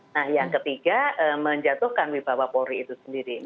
nah yang ketiga menjatuhkan wibawa polri itu sendiri